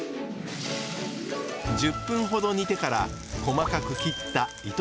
１０分ほど煮てから細かく切った糸